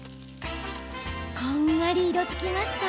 こんがり色づきました。